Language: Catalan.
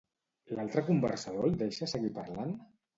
L'altre conversador el deixa seguir parlant?